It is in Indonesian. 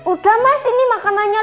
udah mas ini makanannya